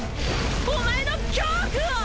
お前の恐怖を！